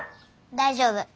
大丈夫。